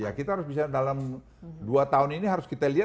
ya kita harus bisa dalam dua tahun ini harus kita lihat